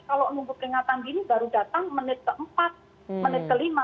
kalau menunggu peringatan dini baru datang menit ke empat menit ke lima